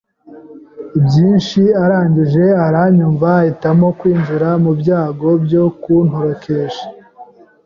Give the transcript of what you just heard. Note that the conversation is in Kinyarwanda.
byinshi arangije aranyumva ahitamo kwishyira mu byago byo kuntorokesha